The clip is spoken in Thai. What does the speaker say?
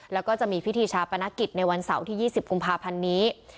แล้วก็จะมีพิธีชาปนกิจในวันเสาร์ที่๒๐กุมภาพันธ์นี้